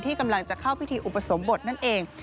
กำลังจะเข้าพิธีอุปสมบทนั่นเอง